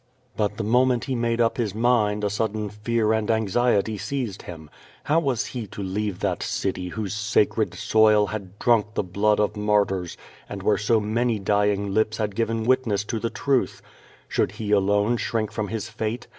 But the moment he made up his mind a sudden fear and anxiety seized him. How was he to leave that city whose sa cred soil had drunk the blood of martyrs and where so many dying lips had given witness to the truth? Should he alone shrink from his fate?